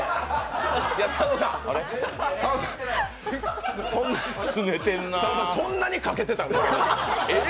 佐野さん、佐野さん、そんなにかけてたの？